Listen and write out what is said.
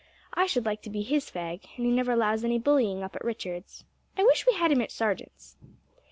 I should like to be his fag: and he never allows any bullying up at Richards'. I wish we had him at Sargent's."